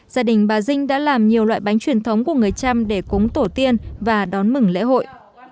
gia đình bà dinh đã làm nhiều loại bánh truyền thống của người trăm để cúng tổ tiên và đón mừng lễ hội